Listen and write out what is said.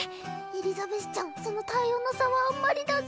エリザベスちゃんその対応の差はあんまりだぜ。